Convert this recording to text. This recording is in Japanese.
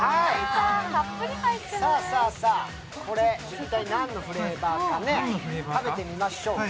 さあさあさあ、何のフレーバーかね、食べてみましょうか。